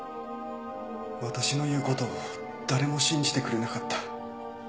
私の言うことを誰も信じてくれなかった